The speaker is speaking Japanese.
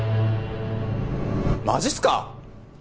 マジっすか？